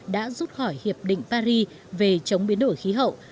đã rút khỏi hiệp định paris về chống biến đổi khí hậu